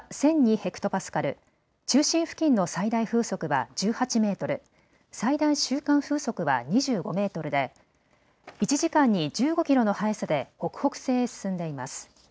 ヘクトパスカル、中心付近の最大風速は１８メートル、最大瞬間風速は２５メートルで１時間に１５キロの速さで北北西へ進んでいます。